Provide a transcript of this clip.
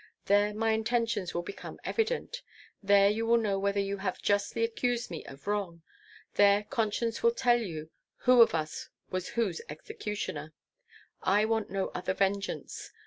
There my intentions will become evident; there you will know whether you have justly accused me of wrong, there conscience will tell you who of us was whose executioner. I want no other vengeance.